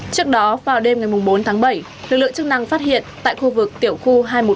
trước đó vào đêm ngày bốn tháng bảy lực lượng chức năng phát hiện tại khu vực tiểu khu hai trăm một mươi tám